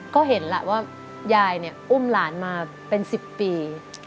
ก็เห็นล่ะว่ายายเนี่ยอุ้มหลานมาเป็น๑๐ปี